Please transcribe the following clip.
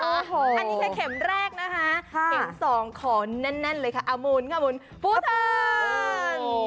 อันนี้คือเข็มแรกนะคะเข็ม๒ขอนั่นเลยค่ะอามูลอามูลพูทัน